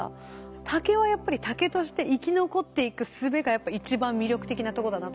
竹はやっぱり竹として生き残っていくすべがやっぱ一番魅力的なとこだなと思いました。